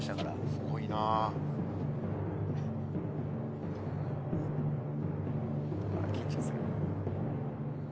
すごいな！緊張する。